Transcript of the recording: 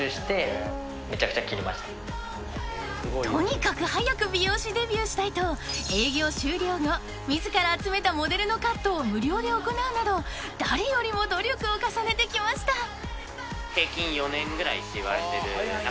［とにかく早く美容師デビューしたいと営業終了後自ら集めたモデルのカットを無料で行うなど誰よりも努力を重ねてきました］